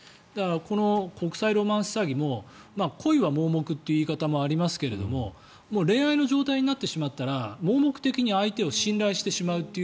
この国際ロマンス詐欺も恋は盲目という言い方もありますが恋愛の状態になってしまったら盲目的に相手を信頼してしまうと。